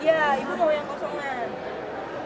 iya ibu mau yang kosongan